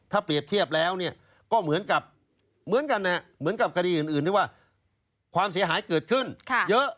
ถ้าเปรียบเทียบแล้วก็เหมือนกับการีอื่นว่าความเสียหายเกิดขึ้นเยอะ